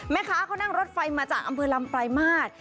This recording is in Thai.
แม่ค้าก็นั่งรถไฟมาจากัมเพลินร้ำปลายมาส